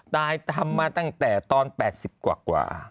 ได้ทำมาตั้งแต่ตอน๘๐กว่ากว่า